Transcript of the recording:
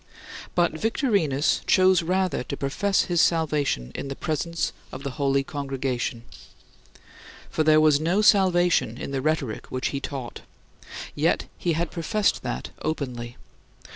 But Victorinus chose rather to profess his salvation in the presence of the holy congregation. For there was no salvation in the rhetoric which he taught: yet he had professed that openly.